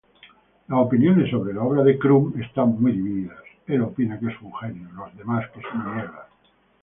Las opiniones sobre la obra de Crumb están muy divididas.